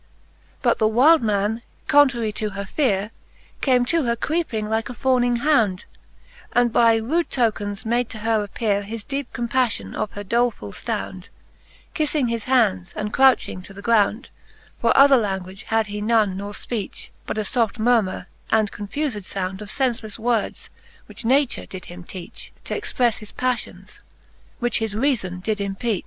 XL But the wyl'd man, contrarie to her feare,. Came to her creeping like a fawning hound , And by rude tokens made to her appeare His deepe compaflion of her dolefull ftound, Killing his hands, and crouching to the ground j; For other language had he none nor fpeach, But a fbft murmure, and confuled found Of fenfelefle words, which nature did him teach, JT'exprefTe his pafTions, which his reafon did empeach.